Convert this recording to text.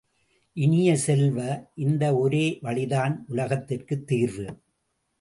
இனிய செல்வ, இந்த ஒரே வழிதான் உலகத்திற்குத் தீர்வு!